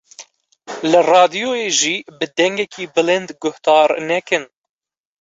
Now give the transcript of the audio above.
Li radyoyê jî bi dengekî bilind guhdar nekin.